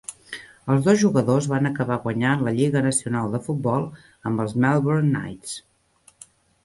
Els dos jugadors van acabar guanyant la Lliga Nacional de Futbol amb els Melbourne Knights.